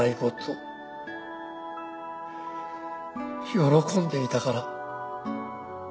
「喜んでいたから」